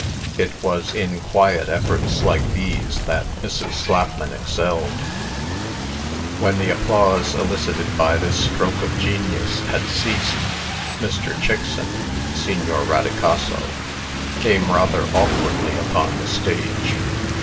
It was in quiet efforts like these that Mrs. Slapman excelled. When the applause elicited by this stroke of genius had ceased, Mr. Chickson (Signor Rodicaso) came rather awkwardly upon the stage.